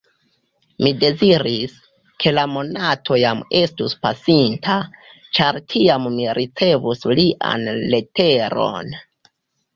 Mi deziris, ke la monato jam estus pasinta, ĉar tiam mi ricevus lian leteron.